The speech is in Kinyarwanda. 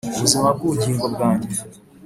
ubuzima bw'ubugingo bwanjye